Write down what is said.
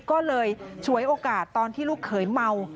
ก็เลยฉวยโอกาสตอนที่ลูกเขยเมา